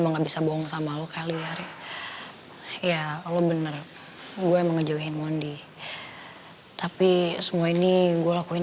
gua nggak bisa bohong sama lo kali ya ya lo bener gue mau ngejauhin mondi tapi semua ini gua lakuin